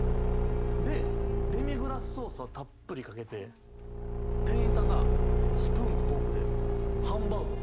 でデミグラスソースをたっぷりかけて店員さんがスプーンとフォークでハンバーグを崩すんですよ。